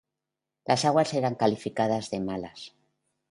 Las aguas eran calificadas de malas.